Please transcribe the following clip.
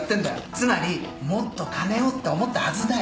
つまりもっと金をって思ったはずだよ。